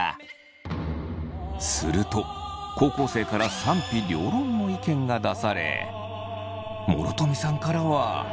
すると高校生から賛否両論の意見が出され諸富さんからは。